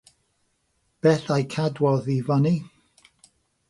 Beth a'i cadwodd i fyny?